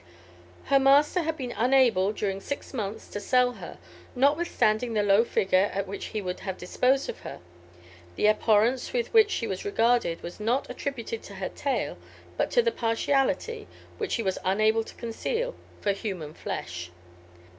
"Her master had been unable, during six months, to sell her, notwithstanding the low figure at which he would have disposed of her; the abhorrence with which she was regarded was not attributed to her tail, but to the partiality, which she was unable to conceal, for human flesh.